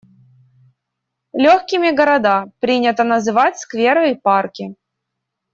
«Лёгкими города» принято называть скверы и парки.